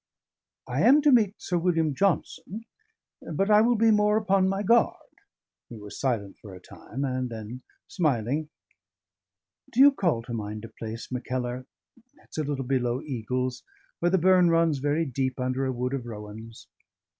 I am to meet Sir William Johnson, but I will be more upon my guard." He was silent for a time, and then, smiling: "Do you call to mind a place, Mackellar it's a little below Eagles where the burn runs very deep under a wood of rowans?